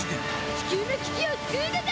地球の危機を救うのだ！